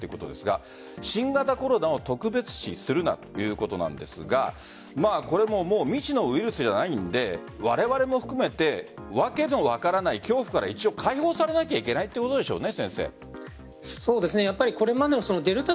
ＰＣＲ頑張っていただきたいということですが新型コロナを特別視するなということなんですがこれも未知のウイルスではないのでわれわれも含めて訳のわからない恐怖から解放されなきゃいけないということでしょうね。